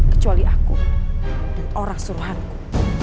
kecuali aku dan orang suruhanku